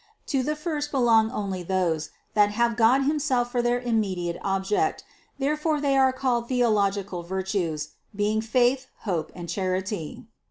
To the first belong only those, that have God himself for their immediate object ; therefore they are called theologi cal virtues, being faith, hope, and charity.